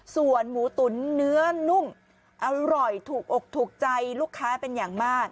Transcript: ส่วนหมูตุ๋นเนื้อนุ่มอร่อยถูกอกถูกใจลูกค้าเป็นอย่างมาก